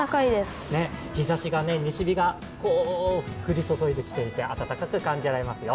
日ざしが西日が降り注いでいて暖かく感じられますよ。